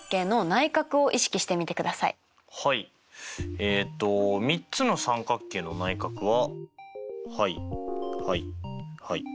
えっと３つの三角形の内角ははいはいはい。